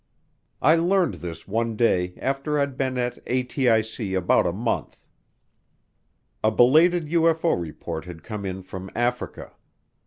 I learned this one day after I'd been at ATIC about a month. A belated UFO report had come in from Africa.